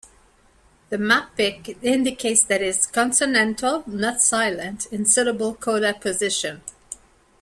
The "mappiq" indicates that is consonantal, not silent, in syllable-coda position.